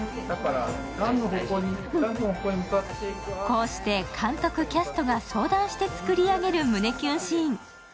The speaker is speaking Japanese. こうして監督、キャストが相談して作り上げる胸キュンシーン。